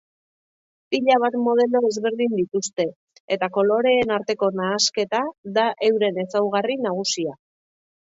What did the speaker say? Pila bat modelo ezberdin dituzte eta koloreen arteko nahasketa da euren ezaugarri nagusia.